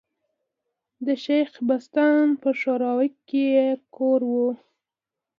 د شېخ بستان په ښوراوک کي ئې کور ؤ.